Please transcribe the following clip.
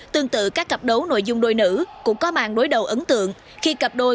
tương tự các cặp đấu nội dung đôi nữ cũng có màn đối đầu ấn tượng khi cặp đôi